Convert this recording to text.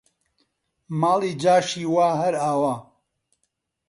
ماڵی جاشی وا هەر ئاوا!